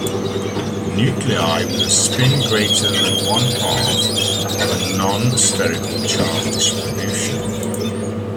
Nuclei with a spin greater than one-half have a non spherical charge distribution.